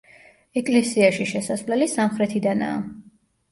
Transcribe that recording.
ეკლესიაში შესასვლელი სამხრეთიდანაა.